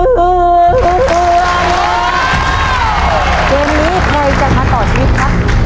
เกมนี้ใครจะมาต่อชีวิตครับ